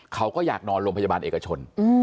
เขาก็อยากนอนโรงพยาบาลเอกชน